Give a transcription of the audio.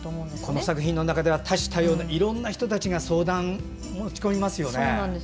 この作品の中では多種多様な人が相談を持ち込みますよね。